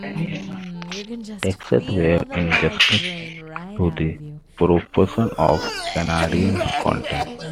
Taxes were adjusted to the proportion of Canadian content.